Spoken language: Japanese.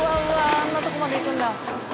あんなとこまで行くんだ。